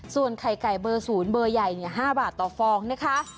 ส่วนไข่ไก่เบอร์๐เบอร์ใหญ่๕บาทต่อฟองนะคะ